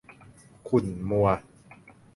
ขุ่นมัว